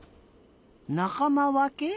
なかまわけ？